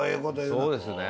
そうですね。